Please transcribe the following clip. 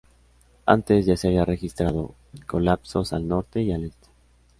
Antes, ya se habían registrado colapsos al norte y al este.